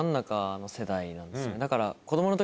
だから。